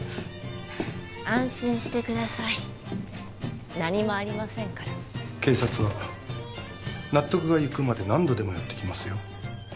安心してください何もありませんから警察は納得がいくまで何度でもやってきますよ